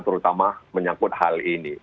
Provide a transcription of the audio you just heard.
terutama menyangkut hal ini